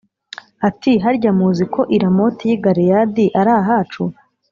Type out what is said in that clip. ati “Harya muzi ko i Ramoti y’i Galeyadi ari ahacu